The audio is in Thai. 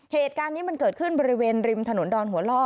เหตุการณ์นี้มันเกิดขึ้นบริเวณริมถนนดอนหัวล่อ